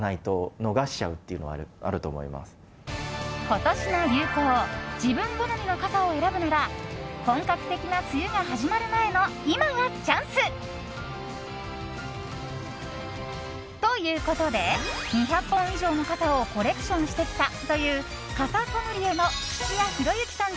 今年の流行自分好みの傘を選ぶなら本格的な梅雨が始まる前の今がチャンス！ということで２００本以上の傘をコレクションしてきたという傘ソムリエの土屋博勇喜さん